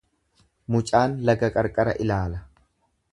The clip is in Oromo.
Mucaan laga qarqara ilaala.